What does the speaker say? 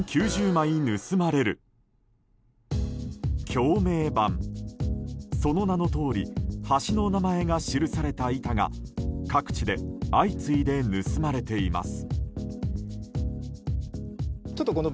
橋名板その名のとおり、橋の名前が記された板が各地で相次いで盗まれています。